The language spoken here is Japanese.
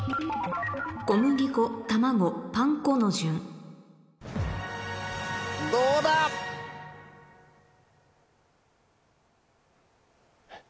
「小麦粉」「卵」「パン粉」の順どうだ？え？